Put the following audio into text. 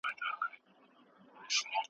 چي غوايي غوښو ته وکتل حیران سو ,